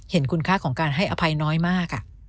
เห็นคุณค่าของการให้อภัยน้อยมาก